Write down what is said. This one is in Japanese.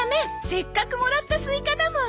せっかくもらったスイカだもん。